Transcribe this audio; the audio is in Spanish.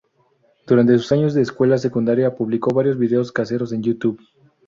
Durante sus años de escuela secundaria, publicó varios videos caseros en YouTube.